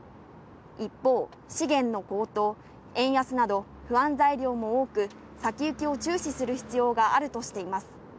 一方、資源の高騰、円安など不安材料も多く、先行きを注視する必要があるとしています。